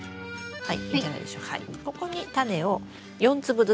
はい。